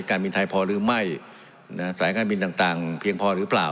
การบินไทยพอหรือไม่สายการบินต่างเพียงพอหรือเปล่า